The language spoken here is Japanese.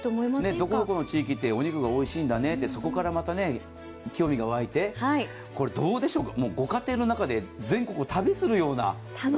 どこどこの地域ってお肉がおいしいんだねって、話が広がったりどうでしょう、ご家庭の中で全国を旅するような。